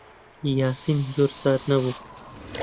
یاسین زۆر سارد نەبوو.